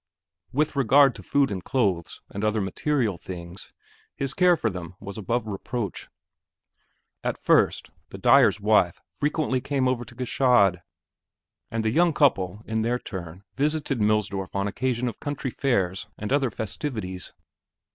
With regard to food and clothes, and other material things, his care for them was above reproach. At first, the dyer's wife frequently came over to Gschaid, and the young couple in their turn visited Millsdorf on occasion of country fairs and other festivities.